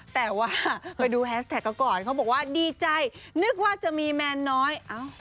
แต่ว่าไปดูแฮสแท็กเขาก่อนเขาบอกว่าดีใจนึกว่าจะมีแมนน้อย